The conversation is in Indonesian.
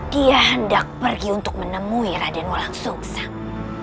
dia hendak pergi untuk menemui raden molak sungsang